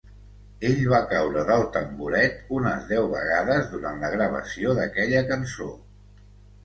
Ell va caure del tamboret unes deu vegades durant la gravació d'aquella cançó.